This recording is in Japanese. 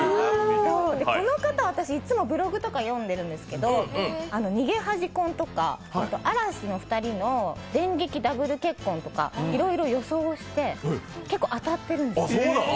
この方、私いつもブログとか読んでるんですけど逃げ恥婚とか嵐の２人の電撃ダブル結婚とかいろいろ予想をして、結構当たってるんです。